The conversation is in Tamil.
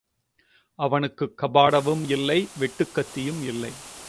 அவனுக்குக் கபடாவும் இல்லை வெட்டுக்கத்தியும் இல்லை.